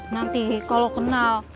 nanti kalau kenal